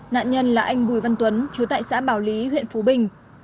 nạn nhân là anh bùi văn tuấn chú tại xã bảo lý huyện phú bình